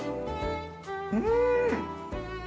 うん！